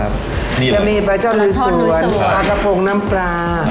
จะมีปลาเจ้าลื้อสวนปลากระโพงน้ำปลา